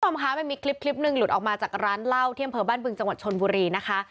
สวัสดีครับค่ะไม่มีคลิปหนึ่งหลุดออกมาจากร้านเหล้าเที่ยงเผลอบ้านบึงจังหวัดชนบุรีนะคะ